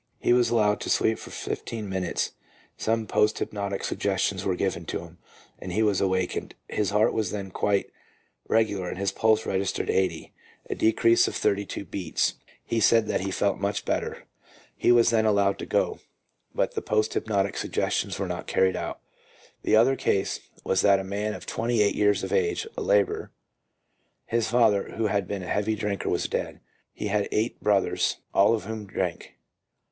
He was allowed to sleep for fifteen minutes, some post hypnotic suggestions were given to him, and he was awakened. His heart was then quite regular and his pulse registered 80, a decrease of 32 beats. He said that he felt much better. He 3$6 PSYCHOLOGY OF ALCOHOLISM. was then allowed to go, but the post hypnotic suggestions were not carried out. The other case was that of a man of twenty eight years of age, a labourer. His father, who had been a heavy drinker, was dead. He had eight brothers, all of whom drank.